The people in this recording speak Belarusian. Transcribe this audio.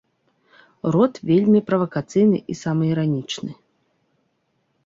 Рот вельмі правакацыйны і самаіранічны.